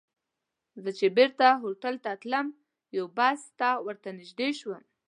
زه چې بېرته هوټل ته تلم، یوه بس ته ور نږدې شوم.